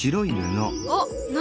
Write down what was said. あっ何